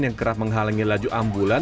yang kerap menghalangi laju ambulan